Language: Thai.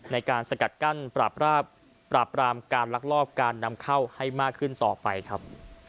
ในการสกัดกั้นปราบรามการลักลอบการนำเข้าให้มากขึ้นต่อไปครับ